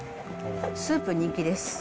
スープ人気です。